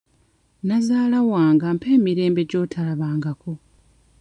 Nazaala wange ampa emirembe gy'otalabangako.